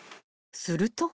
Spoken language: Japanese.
［すると］